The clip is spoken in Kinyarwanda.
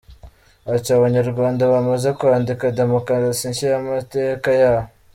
Ati “Abanyarwanda bamaze kwandika demokarasi nshya y’amateka yabo.